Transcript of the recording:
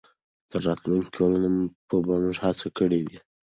تر راتلونکو کلونو به موږ ډېره هڅه کړې وي.